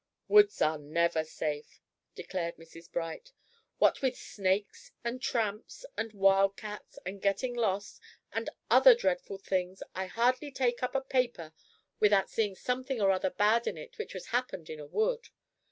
"Woods are never safe," declared Mrs. Bright, "what with snakes, and tramps, and wildcats, and getting lost, and other dreadful things, I hardly take up a paper without seeing something or other bad in it which has happened in a wood.